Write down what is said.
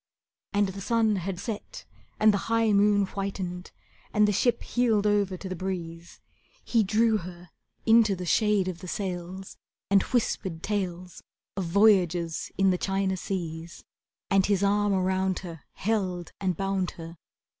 And the sun had set and the high moon whitened, And the ship heeled over to the breeze. He drew her into the shade of the sails, And whispered tales Of voyages in the China seas, And his arm around her Held and bound her.